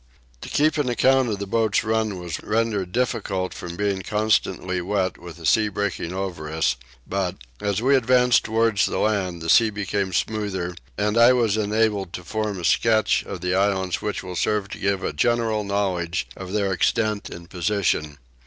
To keep an account of the boat's run was rendered difficult from being constantly wet with the sea breaking over us but, as we advanced towards the land, the sea became smoother and I was enabled to form a sketch of the islands which will serve to give a general knowledge of their extent and position.